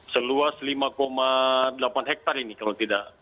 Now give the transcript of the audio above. seluas lima delapan hektare ini kalau tidak